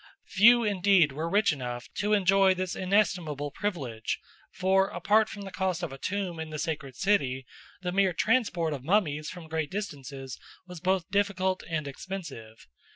Few indeed were rich enough to enjoy this inestimable privilege; for, apart from the cost of a tomb in the sacred city, the mere transport of mummies from great distances was both difficult and expensive.